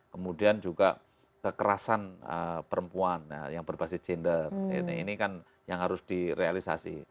kemudian juga kekerasan perempuan yang berbasis gender ini kan yang harus direalisasi